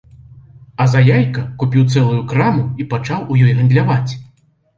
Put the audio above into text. А за яйка купіў цэлую краму і пачаў у ёй гандляваць.